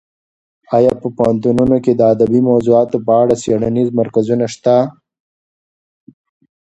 ایا په پوهنتونونو کې د ادبي موضوعاتو په اړه څېړنیز مرکزونه شته؟